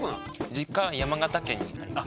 実家は山形県にあります。